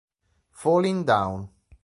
Falling Down